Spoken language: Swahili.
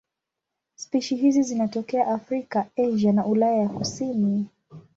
Spishi hizi zinatokea Afrika, Asia na Ulaya ya kusini.